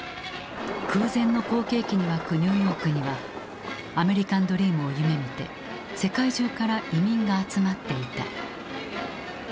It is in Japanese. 空前の好景気に沸くニューヨークにはアメリカンドリームを夢みて世界中から移民が集まっていた。